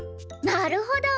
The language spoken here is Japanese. なるほど！